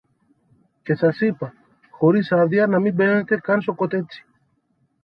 Και σας είπα, χωρίς άδεια να μην μπαίνετε καν στο κοτέτσι